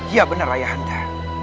iya benar raya handa